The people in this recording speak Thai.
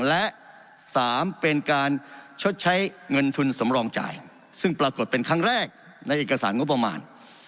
และ๓เป็นการชดใช้เงินทุนสำรองจ่ายซึ่งปรากฏเป็นครั้งแรกในเอกสารงบประมาณ